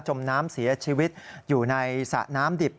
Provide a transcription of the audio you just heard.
มน้ำเสียชีวิตอยู่ในสระน้ำดิบ